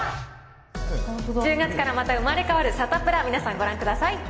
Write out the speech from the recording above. １０月からまた生まれ変わるサタプラ、皆さん、ご覧ください。